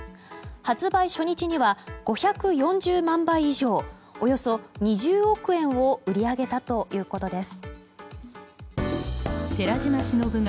発売初日には５４０万杯以上およそ２０億円を売り上げたということです。